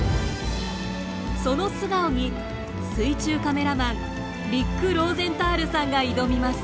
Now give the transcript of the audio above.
その素顔に水中カメラマンリック・ローゼンタールさんが挑みます。